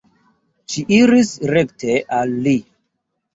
Ŝi iris rekte al li.